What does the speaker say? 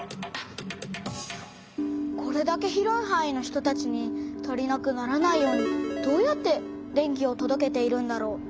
これだけ広いはんいの人たちに足りなくならないようにどうやって電気をとどけているんだろう？